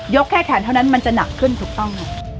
แค่แขนเท่านั้นมันจะหนักขึ้นถูกต้องค่ะ